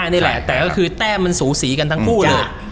นี่แหละแต่ก็คือแต้มมันสูสีกันทั้งคู่เลย